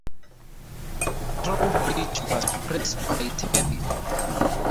Trowbridge was Presbyterian.